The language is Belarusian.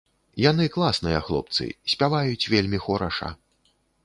Яны класныя хлопцы, спяваюць вельмі хораша.